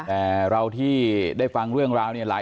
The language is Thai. แต่เราที่ได้ฟังเรื่องราวเนี่ย